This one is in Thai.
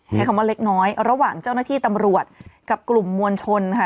ใช้คำว่าเล็กน้อยระหว่างเจ้าหน้าที่ตำรวจกับกลุ่มมวลชนค่ะ